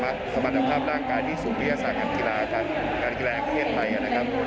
สมรรถภาพร่างกายที่ศูนย์วิทยาศาสตร์การกีฬาการกีฬาประเทศไทยนะครับ